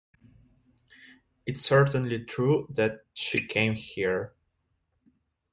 It's certainly true that she came here.